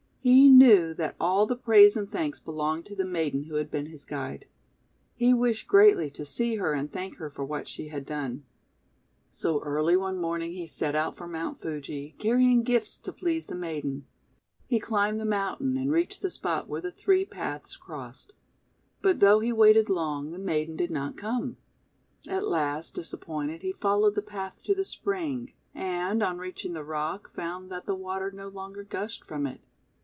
He knew that all the praise and thanks belonged to the maiden who had been his guide. He wished greatly to see her and thank her for what she had done. So early one morning he set out for Mount MAIDEN OF THE CAMELLIAS 43 Fuji, carrying gifts to please the maiden. He climbed the mountain, and reached the spot where the three paths crossed. But though he waited long, the maiden did not come. At last, disappointed, he followed the path to the spring, and, on reaching the rock, found that the water no longer gushed from it.